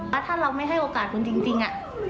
แล้วถ้าเราไม่ให้โอกาสคุณจริง